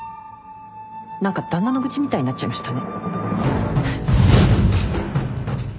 何か旦那の愚痴みたいになっちゃいましたね。